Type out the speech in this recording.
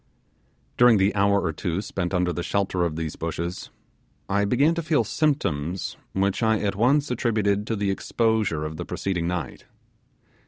During the hour or two spent under the shelter of these bushes, I began to feel symptoms which I at once attributed to the exposure of the preceding night.